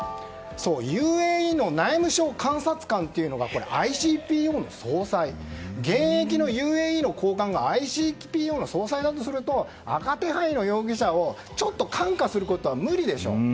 ＵＡＥの内務省監察官というのがＩＣＰＯの総裁現役のＵＡＥの高官がＩＣＰＯの総裁とすると赤手配の容疑者をちょっと看過することは無理でしょう。